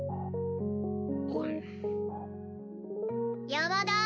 山田！